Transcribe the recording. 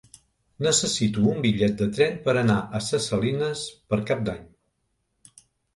Necessito un bitllet de tren per anar a Ses Salines per Cap d'Any.